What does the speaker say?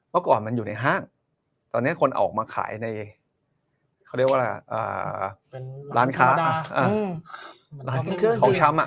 เมื่อก่อนมันอยู่ในห้างตอนนี้คนออกมาขายในเขาเรียกว่าเป็นร้านค้าของชำ